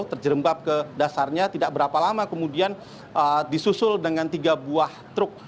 terjerembab ke dasarnya tidak berapa lama kemudian disusul dengan tiga buah truk